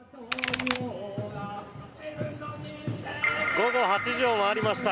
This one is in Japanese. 午後８時を回りました。